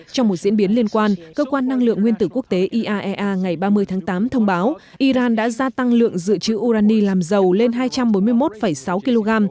trong một diễn biến liên quan cơ quan năng lượng nguyên tử quốc tế iaea ngày ba mươi tháng tám thông báo iran đã gia tăng lượng dự trữ urani làm dầu lên hai trăm bốn mươi một sáu kg